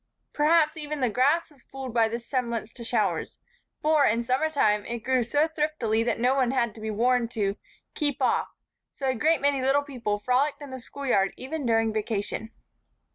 Perhaps even the grass was fooled by this semblance to showers for, in summer time, it grew so thriftily that no one had to be warned to "Keep off," so a great many little people frolicked in the schoolyard even during vacation.